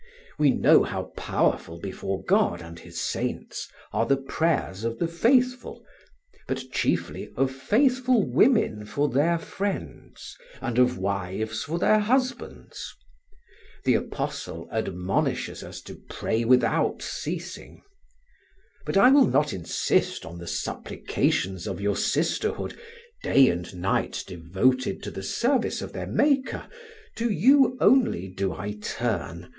We know how powerful before God and his saints are the prayers of the faithful, but chiefly of faithful women for their friends, and of wives for their husbands. The Apostle admonishes us to pray without ceasing.... But I will not insist on the supplications of your sisterhood, day and night devoted to the service of their Maker; to you only do I turn.